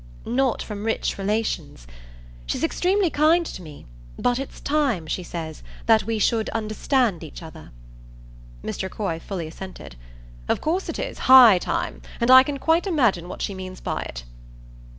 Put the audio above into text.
"Not from rich relations. She's extremely kind to me, but it's time, she says, that we should understand each other." Mr. Croy fully assented. "Of course it is high time; and I can quite imagine what she means by it."